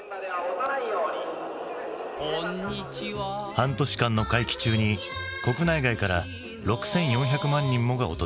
半年間の会期中に国内外から６，４００万人もが訪れた。